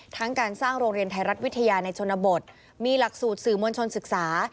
ทั้งการสร้างโรงเรียนไทยรัฐวิทยาในชนบทมีหลักสูตรสื่อมวลชนศึกษา